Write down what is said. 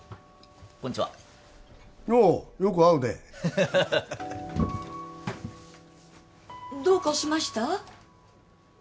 こんちはああよく会うねどうかしました？